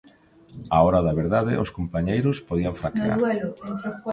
Á hora da verdade, os compañeiros podían fraquear.